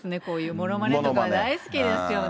ものまねとか大好きですよね。